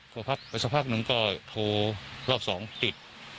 พอพักไปสักพักหนึ่งก็โทรอีกรอบสองติด